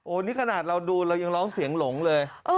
นี่ขนาดเราดูเรายังร้องเสียงหลงเลย